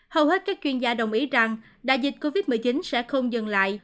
hầu hết các chuyên gia đồng ý rằng đại dịch covid một mươi chín sẽ không dừng lại